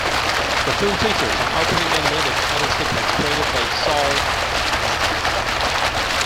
The film features an opening animated title sequence created by Saul Bass.